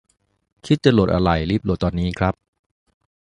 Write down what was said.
คิดจะโหลดอะไร รีบโหลดตอนนี้ครับ